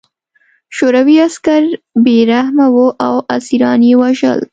شوروي عسکر بې رحمه وو او اسیران یې وژل